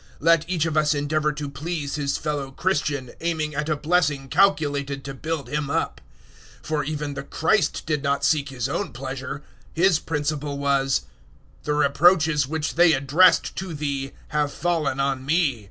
015:002 Let each of us endeavour to please his fellow Christian, aiming at a blessing calculated to build him up. 015:003 For even the Christ did not seek His own pleasure. His principle was, "The reproaches which they addressed to Thee have fallen on me."